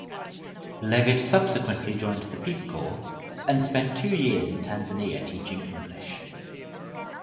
Levitt subsequently joined the Peace Corps and spent two years in Tanzania teaching English.